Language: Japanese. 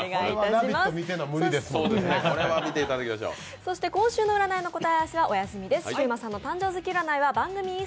そして今週の占いの答え合わせはお休みです。